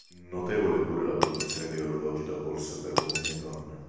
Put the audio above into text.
Notevole è pure la produzione di orologi da polso per uomini e donne.